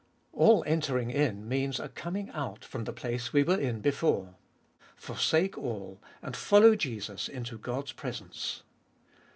4. All entering in means a coming out from the place we were in before. Forsake all, and follow Jesus into God's presence.